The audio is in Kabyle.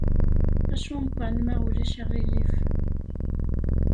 Acampan, ma ulac aɣilif.